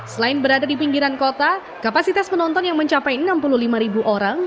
selain berada di pinggiran kota kapasitas penonton yang mencapai enam puluh lima orang